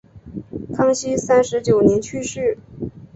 康熙三十九年去世。